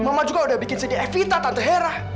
mama juga udah bikin sini evita tante hera